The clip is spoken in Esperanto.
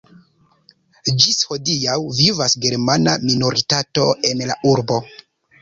Ĝis hodiaŭ vivas germana minoritato en la urbo.